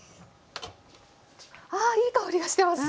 あいい香りがしてます。